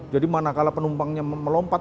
jadi mana kalau penumpangnya melompat